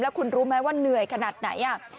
แล้วคุณรู้ไหมว่าเหนื่อยขนาดไหนอ่ะ